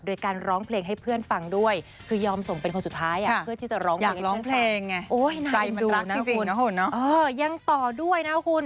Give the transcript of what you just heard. โดยการร้องเพลงให้เพื่อนฟังด้วย